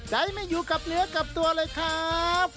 ใจไม่อยู่กับเนื้อกับตัวเลยครับ